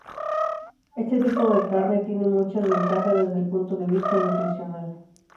Este tipo de carne tiene muchas ventajas desde el punto de vista nutricional.